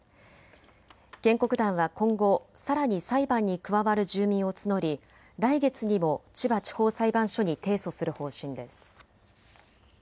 原告団は今後さらに裁判に加わる住民を募り来月にも千葉地方裁判所に提訴する方針です。